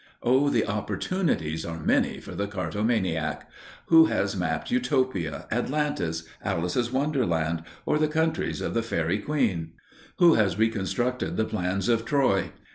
Oh, the opportunities are many for the cartomaniac! Who has mapped Utopia, Atlantis, Alice's Wonderland, or the countries of the Faerie Queene? Who has reconstructed the plans of Troy?